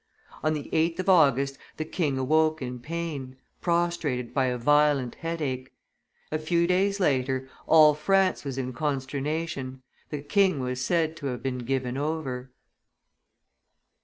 On the 8th of August the king awoke in pain, prostrated by a violent headache; a few days later, all France was in consternation; the king was said to have been given over.